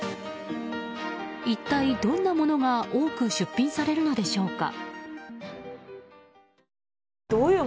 一体どんなものが多く出品されるのでしょうか。